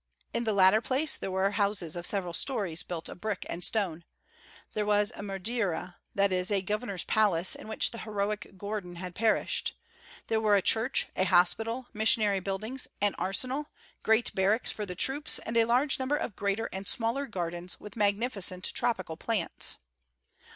In the latter place there were houses of several stories built of brick and stone; there was a "mudirya," that is, a Governor's palace in which the heroic Gordon had perished; there were a church, a hospital, missionary buildings, an arsenal, great barracks for the troops and a large number of greater and smaller gardens with magnificent tropical plants.